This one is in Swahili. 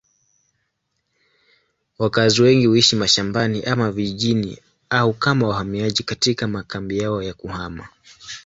Wakazi wengi huishi mashambani ama vijijini au kama wahamiaji katika makambi yao ya kuhama.